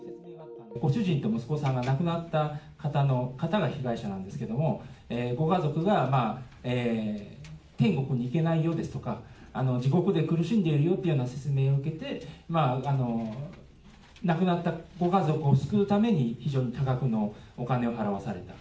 ご主人と息子さんが亡くなった方が被害者なんですけども、ご家族が天国に行けないよですとか、地獄で苦しんでいるよというような説明を受けて、亡くなったご家族を救うために、非常に多額のお金を払わされた。